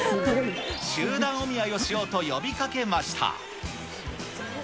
集団お見合いをしようと呼びかけました。